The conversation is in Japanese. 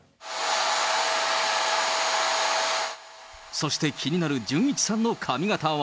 そして、気になるじゅんいちさんの髪形は。